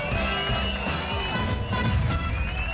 มีโปรดติดตามตอนต่อไป